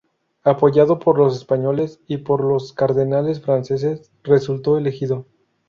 Apoyado por los españoles y por los cardenales franceses, resultó elegido.